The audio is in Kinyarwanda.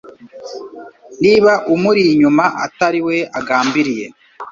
niba umuri inyuma atari we agambiriye